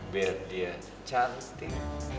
biar dia cantik